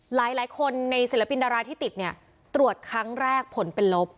หลายคนในศิลปินดาราที่ติดเนี่ยตรวจครั้งแรกผลเป็นลบ